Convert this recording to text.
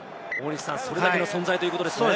それだけの存在ということですね。